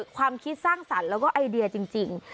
ความคิดสร้างสรรค์แล้วก็ไอเดียจริง